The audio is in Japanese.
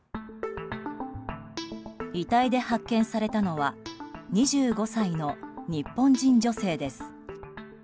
遺体で発見されたのは２５歳の日本人女性です。